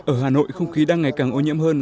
ở hà nội không khí đang ngày càng ô nhiễm hơn